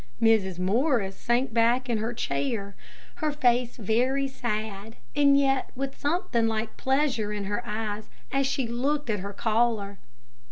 Mrs. Morris sank back in her chair, her face very sad, and yet with something like pleasure in her eyes as she looked at her caller.